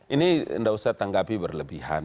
ini tidak usah tanggapi berlebihan